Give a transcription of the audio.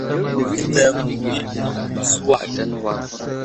Wakita yakw anay agwi suwa.